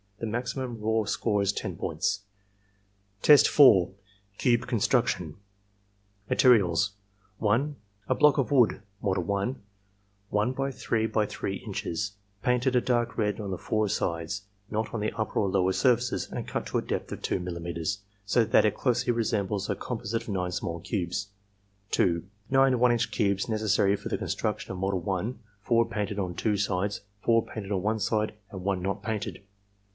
The maximum raw score is 10 points. Test 4. — Cube Construction Materials, — (1) A block of wood (model 1) 1 by 3 by 3 inches, painted a dark red on the four sides, not on the upper or lower surfaces, and cut to a depth of 2 mm., so that it closely resembles a composite of 9 small cubes. (2) Nine 1 inch cubes necessary for the construction of model 1, four painted on two sides, four painted on one side, and one not painted.